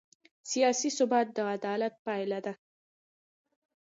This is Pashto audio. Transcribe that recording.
سیاسي ثبات د عدالت پایله ده